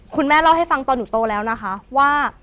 คุณแม่เล่าให้ฟังตอนหนูโตแล้วนะคะว่า